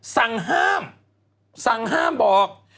สั่งห้ามสั่งห้ามบอก